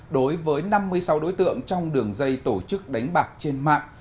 đối với năm mươi sáu đối tượng trong đường dây tổ chức đánh bạc trên mạng